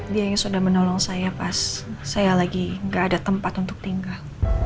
dia yang sudah menolong saya pas saya lagi gak ada tempat untuk tinggal